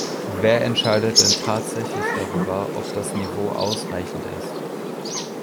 Wer entscheidet denn tatsächlich darüber, ob das Niveau "ausreichend" ist?